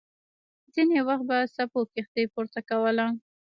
ځینې وخت به څپو کښتۍ پورته کوله.